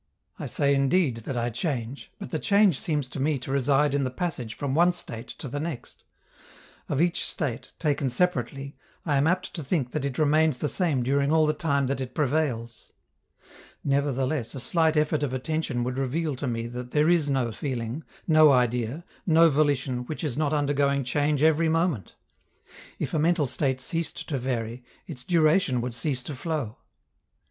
I say indeed that I change, but the change seems to me to reside in the passage from one state to the next: of each state, taken separately, I am apt to think that it remains the same during all the time that it prevails. Nevertheless, a slight effort of attention would reveal to me that there is no feeling, no idea, no volition which is not undergoing change every moment: if a mental state ceased to vary, its duration would cease to flow.